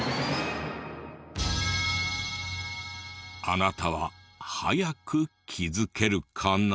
あなたは早く気づけるかな？